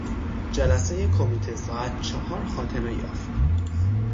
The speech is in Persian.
جلسهی کمیته ساعت چهار خاتمه یافت.